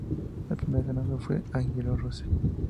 El primer ganador fue D'Angelo Russell.